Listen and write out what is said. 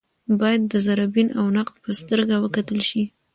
باید د ذره بین او نقد په سترګه وکتل شي